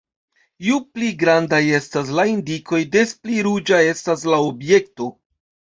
Ju pli grandaj estas la indikoj des pli ruĝa estas la objekto.